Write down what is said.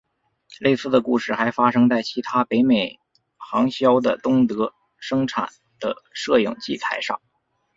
类似的故事还发生在其他北美行销的东德生产的摄影器材上。